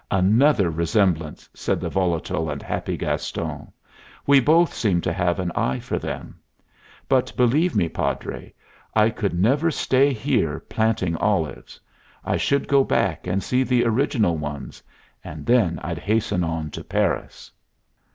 "Another resemblance!" said the volatile and happy Gaston. "We both seem to have an eye for them. But, believe me, Padre, I could never stay here planting olives. I should go back and see the original ones and then I'd hasten on to Paris."